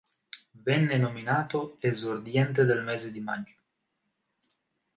Venne nominato esordiente del mese di maggio.